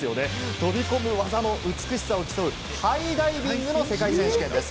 飛び込む技の美しさを競うハイダイビングの世界選手権です。